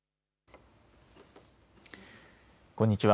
こんにちは。